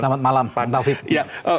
selamat malam pak david